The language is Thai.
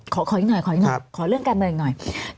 ขออีกหน่อยขอเรื่องการเมืองอีกหน่อย